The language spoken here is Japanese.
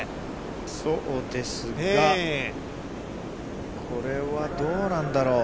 そうですが、これはどうなんだろう。